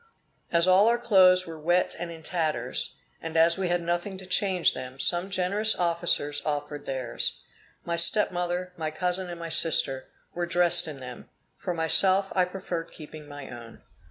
As all our clothes were wet and in tatters, and as we had nothing to change them, some generous officers offered theirs. My step mother, my cousin, and my sister, were dressed in them; for myself, I preferred keeping my own.